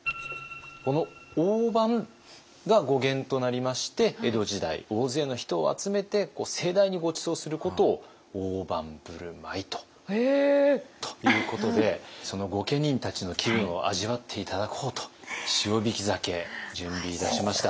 この「飯」が語源となりまして江戸時代大勢の人を集めて盛大にごちそうすることを「大盤振る舞い」ということでその御家人たちの気分を味わって頂こうと塩引き鮭準備いたしました。